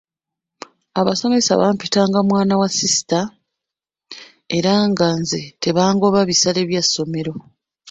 Abasomesa bampitanga mwana wa sisita era nga nze tebangoba bisale bya ssomero.